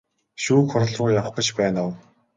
Шүүх хуралруу явах гэж байна уу?